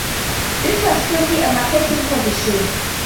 This was strictly a marketing position.